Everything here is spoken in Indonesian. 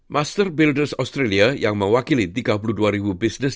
master builders australia yang mewakili tiga puluh dua ribu bisnis